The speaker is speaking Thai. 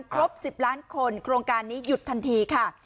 ครบ๑๐ล้านคนโครงการนี้หยุดทันทีค่ะ